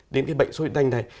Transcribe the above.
đến cái bệnh sốt huyết đanh này